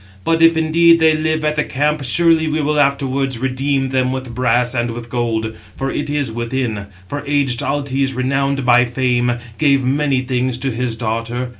But if indeed they live at the camp, surely we will afterwards redeem them with brass and with gold; for it is within; for aged Altes, renowned by fame, gave many things to his daughter.